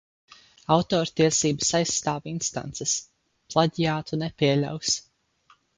Autortiesības aizstāv instances. Plaģiātu nepieļaus.